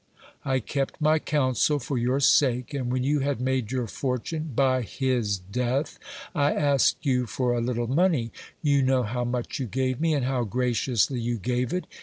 I kept my counsel for your sake, and when you had made your fortune by his death I asked you for a little money. You know how much you gave me, and how graciously you gave it.